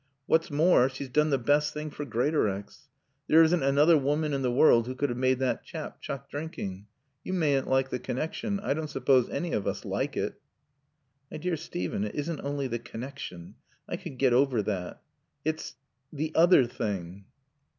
What's more, she's done the best thing for Greatorex. There isn't another woman in the world who could have made that chap chuck drinking. You mayn't like the connection. I don't suppose any of us like it." "My dear Steven, it isn't only the connection. I could get over that. It's the other thing."